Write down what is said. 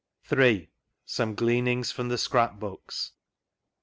3.— SOME GLEANINGS FROM THE SCRAP BOOKS.